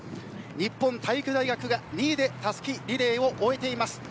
日本体育大学が２位でたすきリレーを終えています。